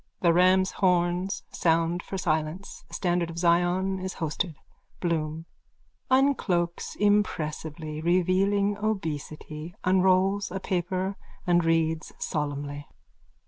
(The rams' horns sound for silence. The standard of Zion is hoisted.) BLOOM: _(Uncloaks impressively, revealing obesity, unrolls a paper and reads solemnly.)